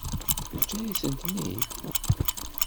Teǧǧa-yasent-ten-id?